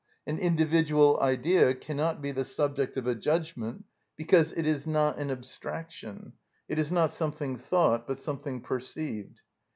An individual idea cannot be the subject of a judgment, because it is not an abstraction, it is not something thought, but something perceived.